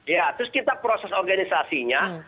ya terus kita proses organisasinya